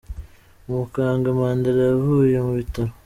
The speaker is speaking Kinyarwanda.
Umukambwe Mandela yavuye mu bitaro